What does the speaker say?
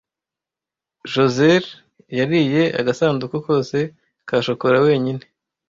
Josehl yariye agasanduku kose ka shokora wenyine.